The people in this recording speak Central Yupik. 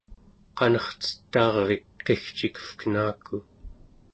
qanercetaarvik qigcikevkenaku